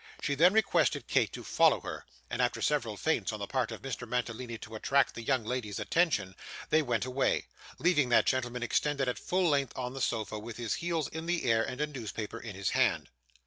She then requested Kate to follow her, and after several feints on the part of Mr. Mantalini to attract the young lady's attention, they went away: leaving that gentleman extended at full length on the sofa, with his heels in the air and a newspaper in his hand.